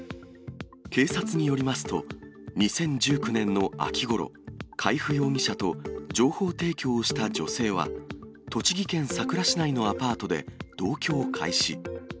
警察によりますと、２０１９年の秋ごろ、海部容疑者と情報提供をした女性は、栃木県さくら市内のアパートで同居を開始。